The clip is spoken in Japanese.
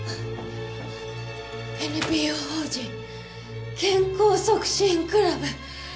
「ＮＰＯ法人健康促進クラブ」